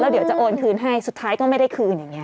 เดี๋ยวจะโอนคืนให้สุดท้ายก็ไม่ได้คืนอย่างนี้